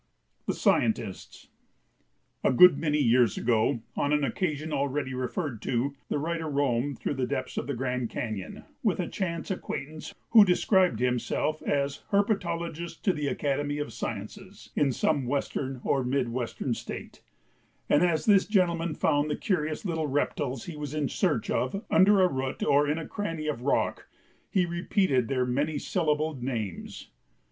[Sidenote: The Scientists] A good many years ago, on an occasion already referred to, the writer roamed through the depths of the Grand Cañon with a chance acquaintance who described himself as "Herpetologist to the Academy of Sciences" in some Western or Mid Western State, and as this gentleman found the curious little reptiles he was in search of under a root or in a cranny of rock he repeated their many syllabled names.